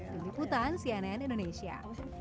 diri putan cnn indonesia